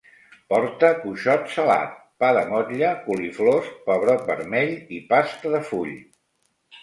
Porta cuixot salat, pa de motlle, coliflors, pebrot vermell i pasta de full